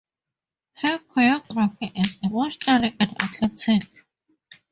Her choreography is emotional and athletic.